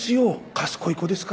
賢い子ですから。